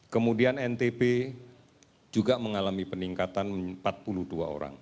kemudian ntb juga mengalami peningkatan empat puluh dua orang